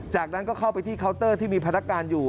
จากนั้นก็เข้าไปที่เคาน์เตอร์ที่มีพนักงานอยู่